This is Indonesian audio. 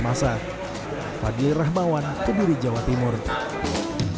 mereka juga harus memiliki kontes yang lebih mudah dan lebih mudah